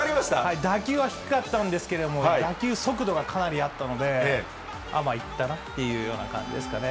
打球は低かったんですけれども、打球速度がかなりあったので、あー、まあ、いったなって感じですかね。